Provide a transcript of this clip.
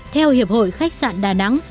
theo hiệp hội khách sạn đà nẵng